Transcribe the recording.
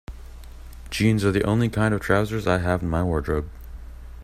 Jeans are the only kind of trousers I have in my wardrobe.